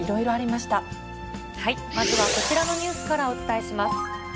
まずはこちらのニュースからお伝えします。